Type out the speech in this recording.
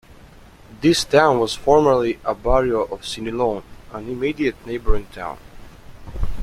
This town was formerly a barrio of Siniloan, an immediate neighboring town.